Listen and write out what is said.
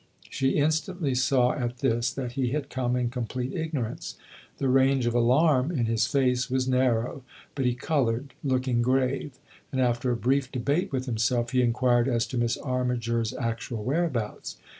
She instantly saw at this that he had come in complete ignorance. The range of alarm in his face was narrow, but he coloured, looking grave ; and after a brief debate with himself he inquired as to Miss Armiger's actual where abouts.